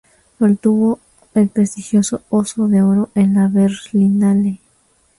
Obtuvo el prestigioso Oso de Oro en la Berlinale.